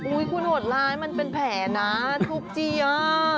อุ๊ยคุณหวดล้ายมันเป็นแผลนะทูบจี้อ่ะ